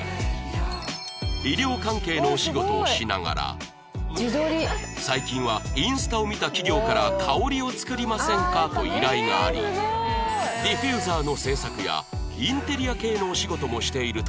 医療関係のお仕事をしながら最近はインスタを見た企業から「香りを作りませんか？」と依頼がありディフューザーの製作やインテリア系のお仕事もしているとの事